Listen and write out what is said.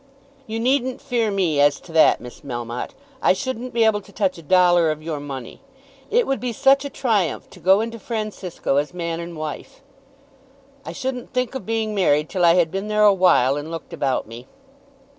"You needn't fear me as to that, Miss Melmotte. I shouldn't be able to touch a dollar of your money. It would be such a triumph to go into Francisco as man and wife." "I shouldn't think of being married till I had been there a while and looked about me."